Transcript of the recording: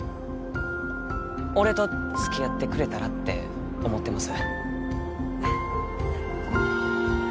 俺と付き合ってくれたらって思ってます